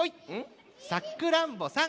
「さくらんぼさん」。